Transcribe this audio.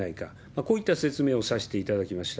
こういった説明をさせていただきました。